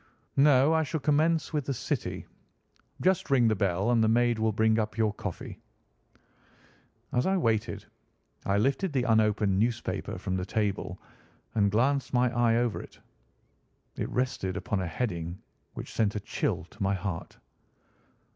"No, I shall commence with the City. Just ring the bell and the maid will bring up your coffee." As I waited, I lifted the unopened newspaper from the table and glanced my eye over it. It rested upon a heading which sent a chill to my heart.